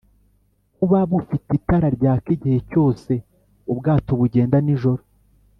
kuba bufite itara ryaka igihe cyose ubwato bugenda nijoro;